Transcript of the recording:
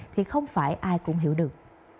thì không phải ai cũng hiểu được